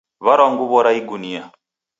W'arwa nguw'o ra igunia.